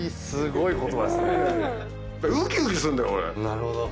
すごい。